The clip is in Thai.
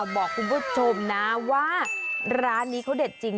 บอกคุณผู้ชมนะว่าร้านนี้เขาเด็ดจริง